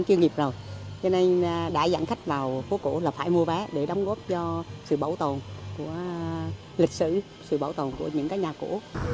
cho nên đã dặn khách vào phố cũ là phải mua vé để đóng góp cho sự bảo tồn của lịch sử sự bảo tồn của những nhà cũ